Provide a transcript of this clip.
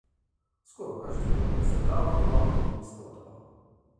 Skoro každý rok se hrála nová hudební skladba.